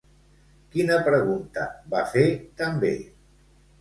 Quina pregunta va fer també?